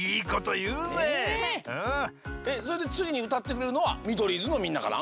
えっそれでつぎにうたってくれるのはミドリーズのみんなかな？